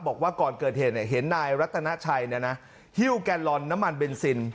บอกว่าก่อนเกิดเหตุเนี่ยเห็นนายรัตนาชัยเนี่ยนะฮิวแกนลอนน้ำมันเบนซิน